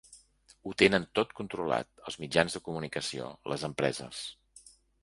Ho tenen tot controlat: els mitjans de comunicació, les empreses.